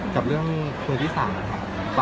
กับเรื่องคุณพี่สามค่ะ